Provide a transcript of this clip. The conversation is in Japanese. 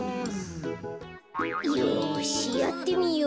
よしやってみよう。